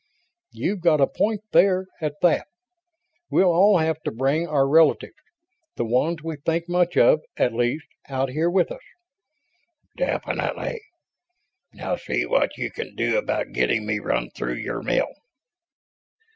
"You've got a point there, at that. We'll all have to bring our relatives the ones we think much of, at least out here with us." "Definitely. Now see what you can do about getting me run through your mill."